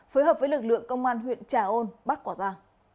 phối hợp với lực lượng cơ quan huyện trà ôn bắt quả ra